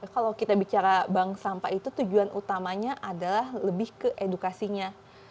kalau kita bicara bank sampah itu tujuan utamanya adalah lebih ke edukasinya